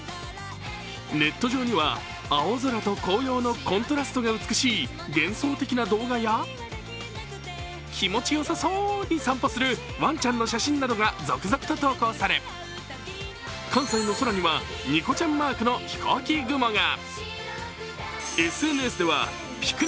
ネット上には青空と紅葉のコントラストが美しい幻想的な動画や気持ちよさそうに散歩するワンちゃんの写真などが続々と投稿され関西の空にはニコちゃんマークの飛行機雲が。